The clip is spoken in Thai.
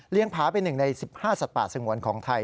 เลี้ยงผาเป็นหนึ่งใน๑๕สัตว์ป่าสงวนของไทย